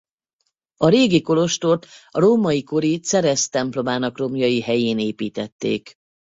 A régi kolostort a római kori Ceres templomának romjai helyén építették.